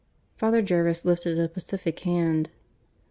Father Jervis lifted a pacific hand.